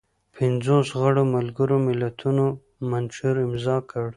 پنځوس غړو ملګرو ملتونو منشور امضا کړ.